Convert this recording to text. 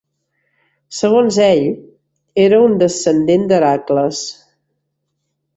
Segons ell, era un descendent d'Hèracles.